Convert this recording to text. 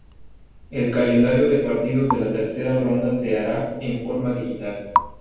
El calendario de partidos de la tercera ronda se hará en forma digital.